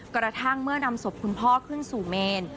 กระทั่งเมื่อนำศพคุณพ่อขึ้นสู่เมน